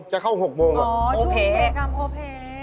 จะเข้า๖โมงน่ะโอเคอ๋อช่วงเวลาการโอเค